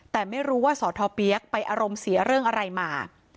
แต่ไม่รู้ว่าสอทอเปี๊ยกไปอารมณ์เสียเรื่องอะไรมา